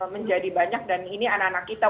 menjadi banyak dan ini anak anak kita